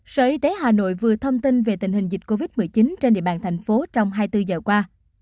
sở y tế hà nội vừa thông tin về tình hình dịch covid một mươi chín trên địa bàn thành phố trong hai mươi bốn giờ qua